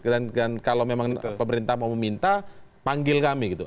dan kalau memang pemerintah mau meminta panggil kami gitu